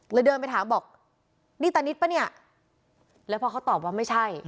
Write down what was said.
เดินไปถามบอกนี่ตานิดป่ะเนี่ยแล้วพอเขาตอบว่าไม่ใช่